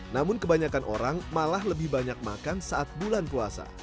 namun kebanyakan orang malah lebih banyak makan saat bulan puasa